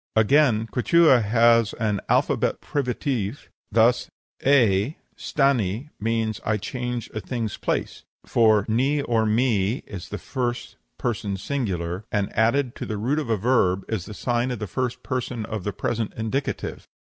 Again, Quichua has an 'alpha privative' thus A stani means 'I change a thing's place;' for ni or mi is the first person singular, and, added to the root of a verb, is the sign of the first person of the present indicative.